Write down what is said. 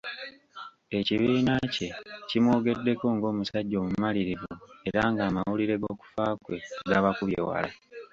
Ekibiina kye kimwogeddeko ng'omusajja omumalirivu era ng'amawulire g’okufa kwe gabakubye wala.